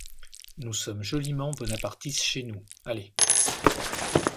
Nous sommes joliment bonapartistes chez nous, allez!